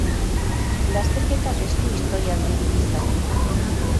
Lasterketak ez du historia handirik izan.